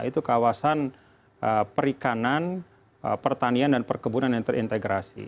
itu kawasan perikanan pertanian dan perkebunan yang terintegrasi